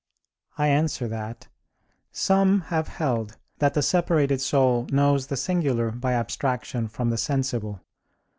I answer that, Some have held that the separated soul knows the singular by abstraction from the sensible.